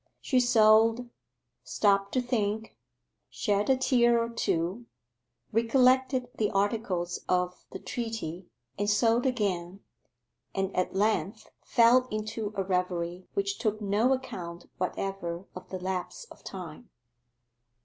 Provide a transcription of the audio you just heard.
She sewed, stopped to think, shed a tear or two, recollected the articles of the treaty, and sewed again; and at length fell into a reverie which took no account whatever of the lapse of time.